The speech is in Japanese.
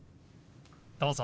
どうぞ。